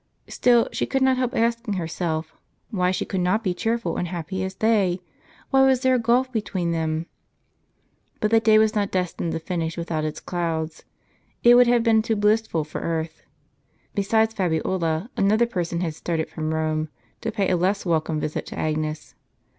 Still she could not help asking herself, why she could not be cheerful and happy as they ? Why was there a gulf between them ? u u J IP c C But the day was not destined to finish without its clouds ; it would have been too blissful for earth. Besides Fabiola, another person had started from Rome, to pay a less welcome visit to Agnes.